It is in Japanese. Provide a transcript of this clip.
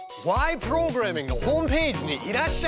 プログラミング」のホームページにいらっしゃい！